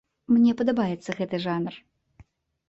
Мне падабаецца гэты жанр.